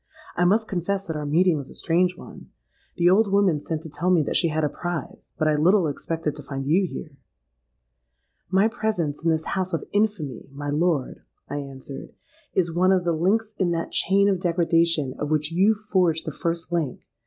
'I must confess that our meeting is a strange one. The old woman sent to tell me that she had a prize; but I little expected to find you here.'—'My presence in this house of infamy, my lord,' I answered, 'is one of the links in that chain of degradation of which you forged the first link.